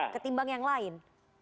ketimbang yang lain